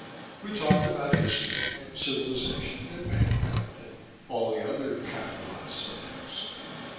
We talked about History, and Civilization, and Mankind, and all the other capitalized subjects.